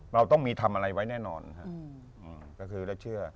เราต้องมีทำอะไรไว้แน่นอนแล้วคือเราเชื่อ